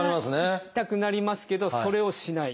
いきたくなりますけどそれをしない。